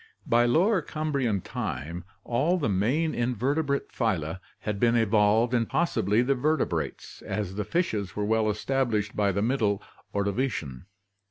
— By Lower Cambrian time all the main inverte brate phyla had been evolved and possibly the vertebrates, as the fishes were well established by the Middle Ordovician.